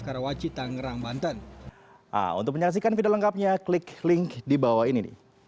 karawaci tangerang banten untuk menyaksikan video lengkapnya klik link di bawah ini